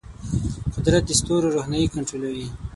قدرت د ستورو روښنايي کنټرولوي.